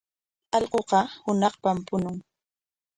Allquuqa hunaqpam puñun.